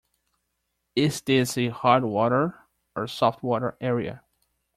Is this a hard water or a soft water area?